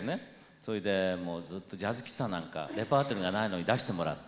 それでもうずっとジャズ喫茶なんかレパートリーがないのに出してもらって。